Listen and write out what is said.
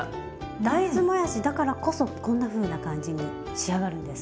大豆もやしだからこそこんなふうな感じに仕上がるんです。